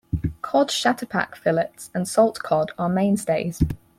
Cod shatterpack fillets and salt cod are mainstays.